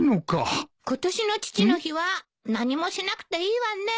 今年の父の日は何もしなくていいわね。